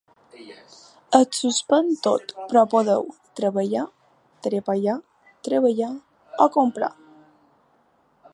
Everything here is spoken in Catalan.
Es suspèn tot però podeu: treballar, treballar, treballar o comprar.